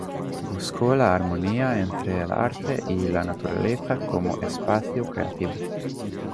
Buscó la armonía entre el arte y la naturaleza como espacio creativo.